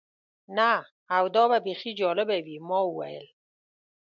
نه، او دا به بیخي جالبه وي. ما وویل.